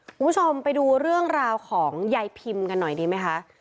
คุณผู้ชมไปดูเรื่องราวของยายพิมกันหน่อยดีไหมคะ